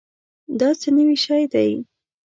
دا څه نوي شی دی؟